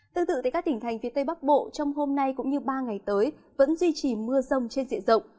tương tự các tỉnh thành phía tây bắc bộ trong hôm nay cũng như ba ngày tới vẫn duy trì mưa rông trên diện rộng